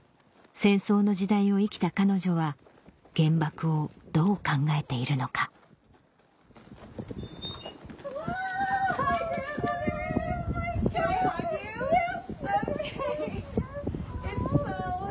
戦争の時代を生きた彼女は原爆をどう考えているのかＹｅｓ！